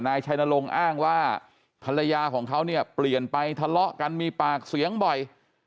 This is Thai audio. นายชัยนรงค์อ้างว่าภรรยาของเขาเนี่ยเปลี่ยนไปทะเลาะกันมีปากเสียงบ่อย